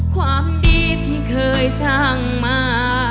ความดีที่เคยสร้างมา